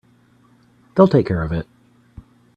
They'll take care of it.